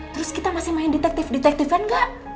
terus kita masih main detektif detektifan gak